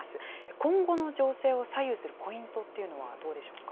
今後の情勢を左右するポイントというのはどうでしょうか。